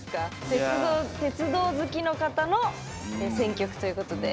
鉄道好きの方の選曲ということで。